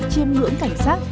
chiêm ngưỡng cảnh sát